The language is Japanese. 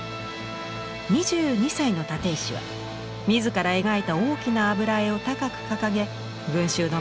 ２２歳の立石は自ら描いた大きな油絵を高く掲げ群衆の前に立ちはだかります。